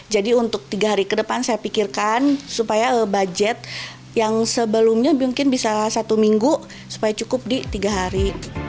jadi untuk tiga hari ke depan saya pikirkan supaya budget yang sebelumnya mungkin bisa satu minggu supaya cukup di tiga hari